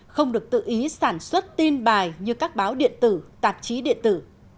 không được tự ý sản xuất tin bài như các báo điện tử tạp chí điện tử